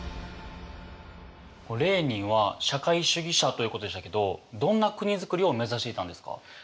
レーニンは社会主義者ということでしたけどどんな国づくりを目指していたんですか？